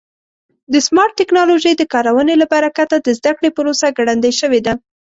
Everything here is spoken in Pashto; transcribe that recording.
د سمارټ ټکنالوژۍ د کارونې له برکته د زده کړې پروسه ګړندۍ شوې ده.